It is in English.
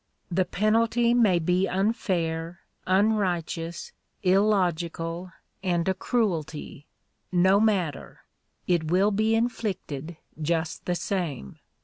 The penalty may be unfair, unrighteous, illogical, and a cruelty; no matter, it will be inflicted just the same.